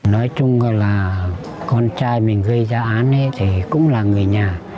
nói chung là con trai mình gây ra án thì cũng là người nhà